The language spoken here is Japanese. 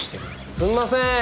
すんません。